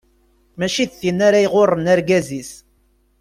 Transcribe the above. Mačči d tin ara iɣurren argaz-is.